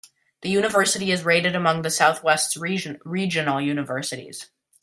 The university is rated among the Southwest's regional universities.